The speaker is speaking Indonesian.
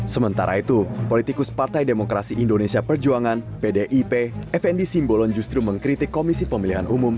sementara itu politikus partai demokrasi indonesia perjuangan pdip fnd simbolon justru mengkritik komisi pemilihan umum